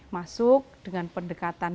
masuk dengan pendekatan